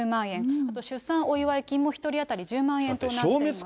あと出産お祝い金も１人当たり１０万円となっていますね。